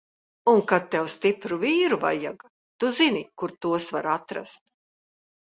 Un kad tev stipru vīru vajaga, tu zini, kur tos var atrast!